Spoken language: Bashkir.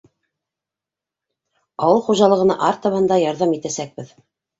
Ауыл хужалығына артабан да ярҙам итәсәкбеҙ.